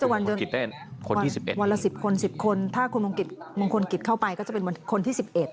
คนที่๑๑วันละ๑๐คน๑๐คนถ้าคุณมงคลกิจเข้าไปก็จะเป็นคนที่๑๑